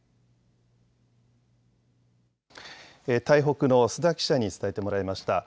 台北の須田記者に伝えてもらいました。